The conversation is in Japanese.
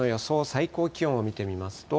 最高気温を見てみますと。